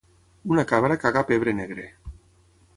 Una cabra caga pebre negre